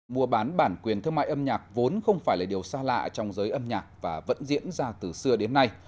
mua bán bản quyền thương mại âm nhạc vốn không phải là điều xa lạ trong giới âm nhạc và vẫn diễn ra từ xưa đến nay